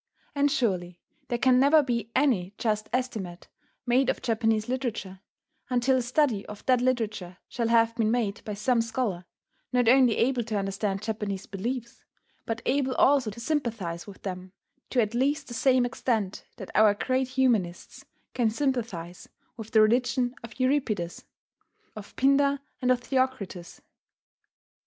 And surely there can never be any just estimate made of Japanese literature, until a study of that literature shall have been made by some scholar, not only able to understand Japanese beliefs, but able also to sympathize with them to at least the same extent that our great humanists can sympathize with the religion of Euripides, of Pindar, and of Theocritus.